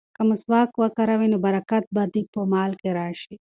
که مسواک وکاروې نو برکت به دې په مال کې راشي.